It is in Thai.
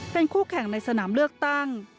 เป็นคู่แข่งในสนามเลือกตั้ง